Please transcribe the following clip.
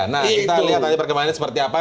nah kita lihat nanti perkembangannya seperti apa